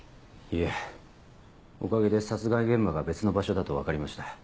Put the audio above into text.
いえおかげで殺害現場が別の場所だと分かりました。